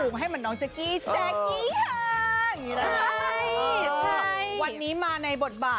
กับเพลงที่มีชื่อว่ากี่รอบก็ได้